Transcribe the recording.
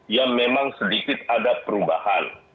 yang memang sedikit ada perubahan